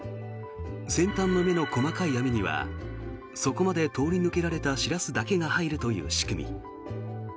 先端の目の細かい網にはそこまで通り抜けられたシラスだけが入るという仕組み。